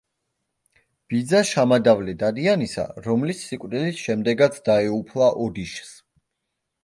ბიძა შამადავლე დადიანისა, რომლის სიკვდილის შემდეგაც დაეუფლა ოდიშს.